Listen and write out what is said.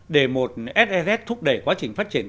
để một sss thúc đẩy quá trình phát triển